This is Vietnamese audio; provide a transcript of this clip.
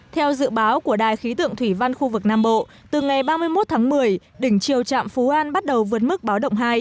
theo dự báo của đài khí tượng thủy văn khu vực nam bộ từ ngày ba mươi một tháng một mươi đỉnh chiều trạm phú an bắt đầu vượt mức báo động hai